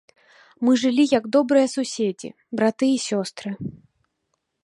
Мы жылі як добрыя суседзі, браты і сёстры.